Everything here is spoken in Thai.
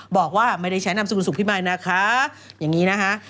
บอกว่าไม่ได้ใช้นามสกุลสุขพี่มายนะคะอย่างนี้นะคะ